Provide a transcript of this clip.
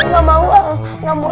gak mau gak mau